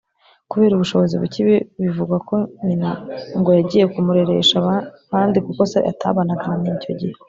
Kubera ubushobozi buke bivugwa ko nyina ngo yagiye kumureresha ahandi kuko se atabanaga na nyina icyo gihe